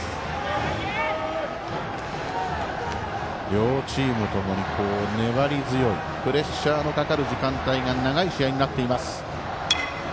両チームともに粘り強いプレッシャーのかかる時間帯が長い試合になっています。